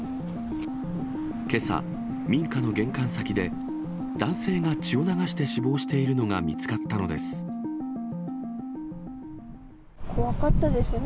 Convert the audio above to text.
けさ、民家の玄関先で男性が血を流して死亡しているのが見つかったので怖かったですね。